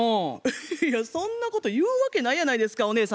いやそんなこと言うわけないやないですかお姉様。